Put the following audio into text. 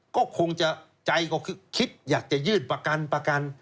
ก็คงจะใจก็คิดอยากจะยืดประกัน